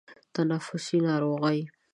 تنفسي ناروغۍ